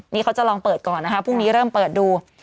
นี่เขาจะลองเปิดก่อนเดี๋ยวเริ่มเปิดดู